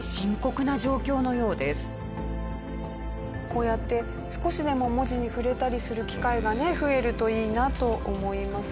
こうやって少しでも文字に触れたりする機会がね増えるといいなと思いますよね。